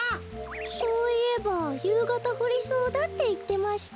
そういえばゆうがたふりそうだっていってました。